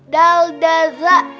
dal dal za